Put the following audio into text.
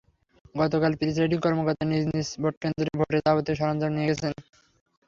গতকাল প্রিসাইডিং কর্মকর্তারা নিজ নিজ ভোটকেন্দ্রে ভোটের যাবতীয় সরঞ্জাম নিয়ে গেছেন।